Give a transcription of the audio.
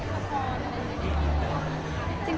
แล้วได้หินกลับมาเล่นละคร